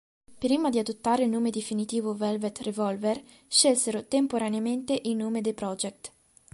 Prima di adottare il nome definitivo Velvet Revolver, scelsero temporaneamente il nome The Project.